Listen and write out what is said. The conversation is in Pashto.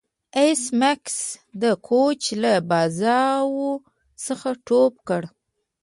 ایس میکس د کوچ له بازو څخه ټوپ کړ